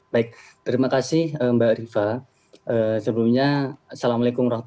baik terima kasih mbak riva sebelumnya assalamualaikum wr wb